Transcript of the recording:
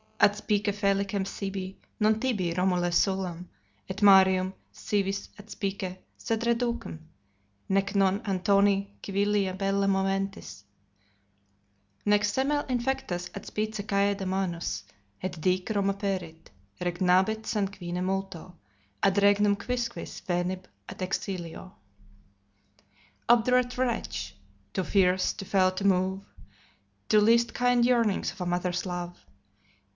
Adspice felicem sibi, non tibi, Romule, Sullam: Et Marium, si vis, adspice, sed reducem. Nec non Antoni civilia bella moventis Nec semel infectas adspice caeda manus. Et dic, Roma perit: regnabit sanguine multo, Ad regnum quisquis venit ab exsilio. Obdurate wretch! too fierce, too fell to move The least kind yearnings of a mother's love!